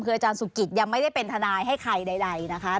คืออาจารย์สุกิตยังไม่ได้เป็นทนายให้ใครใดนะคะ